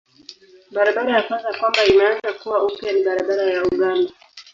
Barabara ya kwanza kwamba imeanza kuwa upya ni barabara ya Uganda.